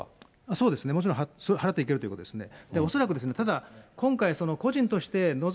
そうですね、もちろん払っていけるということですね。